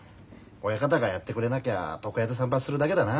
親方がやってくれなきゃ床屋で散髪するだけだな。